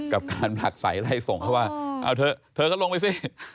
กับการผลักใสไล่ส่งเขาว่าเอาเถอะเธอก็ลงไปสิ